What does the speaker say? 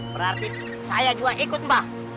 berarti saya juga ikut mbak